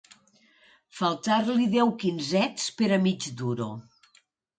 Faltar-li deu quinzets per a mig duro.